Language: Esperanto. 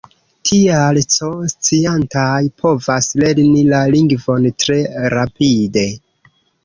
Tial, C-sciantaj povas lerni la lingvon tre rapide.